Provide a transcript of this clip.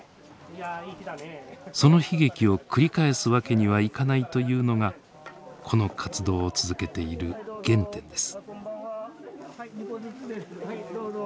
その悲劇を繰り返すわけにはいかないというのがこの活動を続けている原点です。